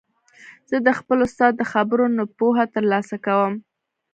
زه د خپل استاد د خبرو نه پوهه تر لاسه کوم.